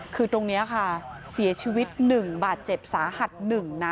คือตรงนี้ค่ะเสียชีวิต๑บาทเจ็บสาหัส๑นะ